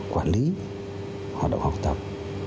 quản lý hoạt động học tập